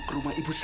ke rumah ibu saya